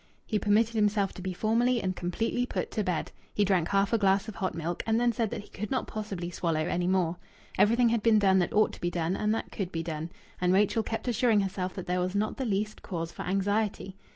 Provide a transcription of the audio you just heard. He permitted himself to be formally and completely put to bed. He drank half a glass of hot milk, and then said that he could not possibly swallow any more. Everything had been done that ought to be done and that could be done. And Rachel kept assuring herself that there was not the least cause for anxiety.